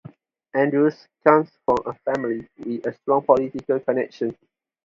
Andrews comes from a family with strong political connections.